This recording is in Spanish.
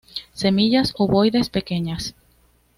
Semillas ovoides, pequeñas.